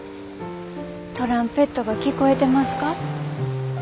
トランペットが聴こえてますか？